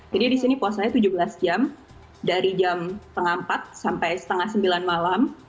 jadi disini puasanya tujuh belas jam dari jam lima belas tiga puluh sampai tujuh belas tiga puluh malam